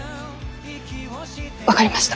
分かりました。